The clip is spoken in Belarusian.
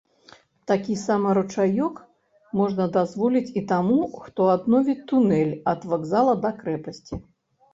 Такі сама ручаёк можна дазволіць і таму, хто адновіць тунэль ад вакзала да крэпасці.